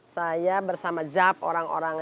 saya bersama jab orang orang